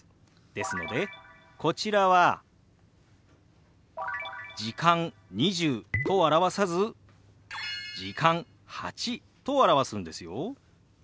ですのでこちらは「時間」「２０」と表さず「時間」「８」と表すんですよ。